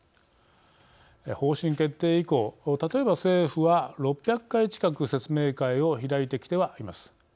方針決定以降例えば政府は６００回近く説明会を開いてきてはいます。